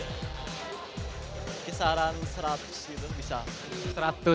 jadi kisaran seratus gitu bisa